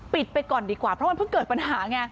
ไปก่อนดีกว่าเพราะมันเพิ่งเกิดปัญหาไง